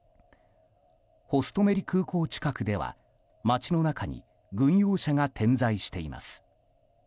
ホストメリ空港近くでは街の中に軍用車が点在しています。